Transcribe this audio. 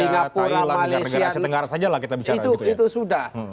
thailand negara negara asia tengah